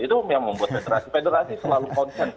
itu yang membuat federasi federasi selalu konsen